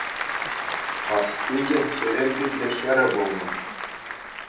Парспикӗн хӗвел питлӗ хӗрӗ пулнӑ.